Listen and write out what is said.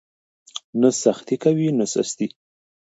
نه سختي کوئ نه سستي.